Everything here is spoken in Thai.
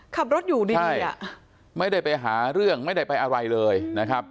ขับรถอยู่ดีอ่ะไม่ได้ไปหาเรื่องไม่ได้ไปอะไรเลยนะครับ